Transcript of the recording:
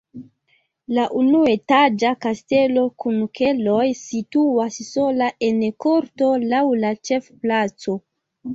La unuetaĝa kastelo kun keloj situas sola en korto laŭ la ĉefplaco.